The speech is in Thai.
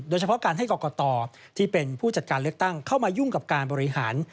โดยเฉพาะการให้กรกตที่เป็นผู้จัดการเลือกตั้งเข้ามายุ่งกับการบริหาร